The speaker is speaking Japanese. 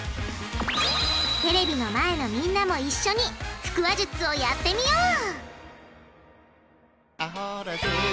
テレビの前のみんなも一緒に腹話術をやってみよう！